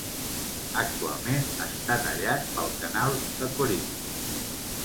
Actualment està tallat pel canal de Corint.